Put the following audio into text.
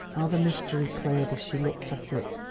How the mystery cleared, as she looked at it!